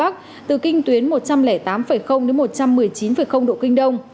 từ kinh tuyến một trăm linh tám đến một trăm một mươi chín độ kinh đông